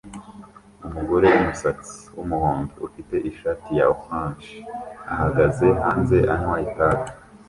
Umugore wumusatsi wumuhondo ufite ishati ya orange ahagaze hanze anywa itabi